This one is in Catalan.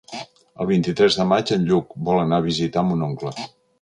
El vint-i-tres de maig en Lluc vol anar a visitar mon oncle.